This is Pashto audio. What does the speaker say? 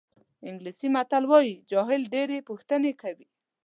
انګلیسي متل وایي جاهل ډېرې پوښتنې کوي.